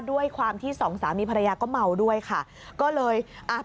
ด้วยความที่สองสามีภรรยาก็เมาด้วยค่ะก็เลยอ่ะ